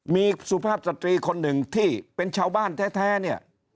มีสุภาพสตรีคนหนึ่งที่เป็นชาวบ้านแท้เนี่ย